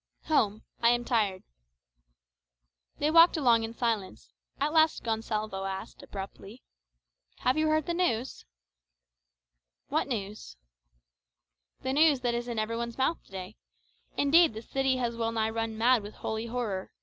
"Home. I am tired." They walked along in silence; at last Gonsalvo asked, abruptly, "Have you heard the news?" "What news?" "The news that is in every one's mouth to day. Indeed, the city has well nigh run mad with holy horror.